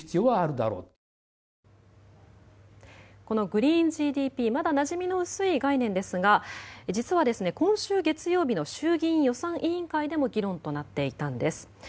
このグリーンＧＤＰまだなじみの薄い概念ですが実は今週月曜日の衆議院予算委員会でも議論となっていたんです。